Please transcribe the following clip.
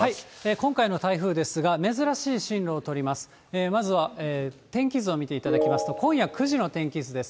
今回の台風ですが、珍しい進路を取ります。